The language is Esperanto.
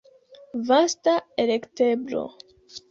Vasta elekteblo.